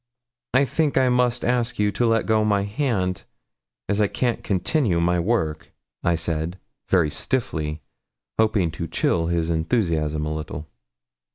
'I think I must ask you to let go my hand, as I can't continue my work,' I said, very stiffly, hoping to chill his enthusiasm a little.